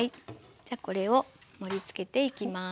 じゃあこれを盛りつけていきます。